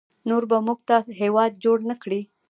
نور به موږ ته هیواد جوړ نکړي